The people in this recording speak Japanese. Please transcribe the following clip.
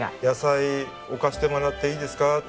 野菜置かせてもらっていいですか？